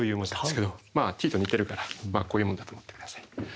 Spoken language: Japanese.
まあｔと似てるからこういうもんだと思って下さい。